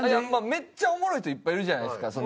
めっちゃおもろい人いっぱいいるじゃないですか。